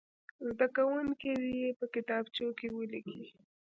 زده کوونکي دې یې په کتابچو کې ولیکي.